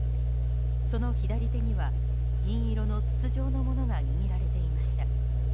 その左手には銀色の筒状のようなものが握られていました。